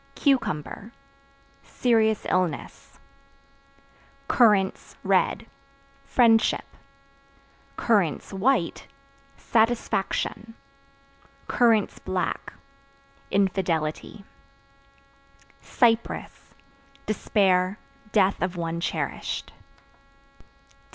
Cucumber Serious illness. Currants (Red) friendship; (white) satisfaction; (black) infidelity. Cypress Despair, death of one cherished.